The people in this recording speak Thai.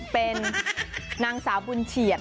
เป็นนางสาวบุญเฉียด